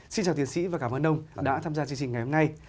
xin chào tiến sĩ và cảm ơn ông đã tham gia chương trình ngày hôm nay